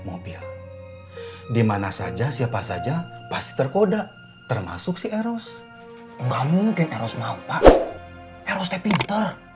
mobil dimana saja siapa saja pasti terkoda termasuk si eros enggak mungkin eros mal pak erosnya pinter